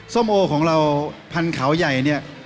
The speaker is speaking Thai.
ส้มโอของเราพันธุ์เขาใหญ่เนี่ย